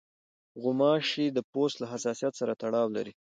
غوماشې د پوست له حساسیت سره تړاو لري.